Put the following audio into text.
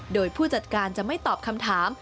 โดยผู้จัดการจะไม่ตอบคำถาม